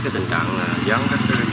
tình trạng gióng